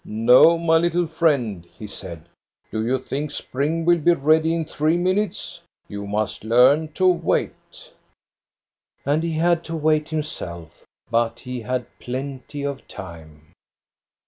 No, my little friend," he said, "do you think spring will be ready in three minutes? You must learn to wait." And he had to wait himself; but he had plenty of time.